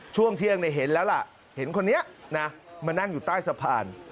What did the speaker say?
ช่วงเที่ยงเห็นแล้วล่ะเห็นคนนี้นะมานั่งอยู่ใต้สะพาน